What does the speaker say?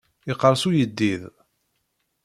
Iqqers uyeddid.